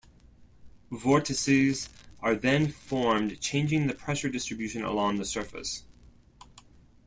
Vortices are then formed changing the pressure distribution along the surface.